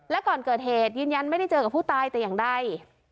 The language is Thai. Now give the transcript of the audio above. และก่อนเกิดเหตุยืนยันไม่ได้เจอกับผู้ตายแต่อย่างใด